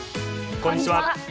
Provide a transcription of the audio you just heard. こんにちは。